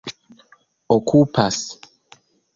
okupas